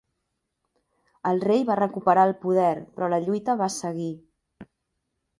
El rei va recuperar el poder però la lluita va seguir.